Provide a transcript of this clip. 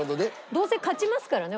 どうせ勝ちますからね